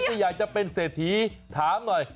ถ้าอยากจะเป็นเศรษฐีถามหน่อย